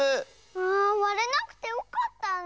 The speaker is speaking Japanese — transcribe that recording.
あわれなくてよかったね！